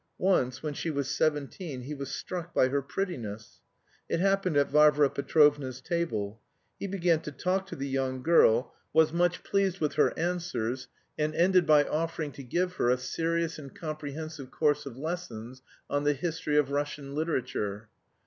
Once when she was seventeen he was struck by her prettiness. It happened at Varvara Petrovna's table. He began to talk to the young girl, was much pleased with her answers, and ended by offering to give her a serious and comprehensive course of lessons on the history of Russian literature.